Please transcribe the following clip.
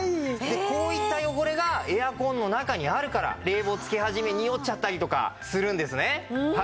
こういった汚れがエアコンの中にあるから冷房つけ始めにおっちゃったりとかするんですね。